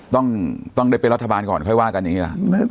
ต้องได้เป็นรัฐบาลก่อนค่อยว่ากันอย่างนี้หรอ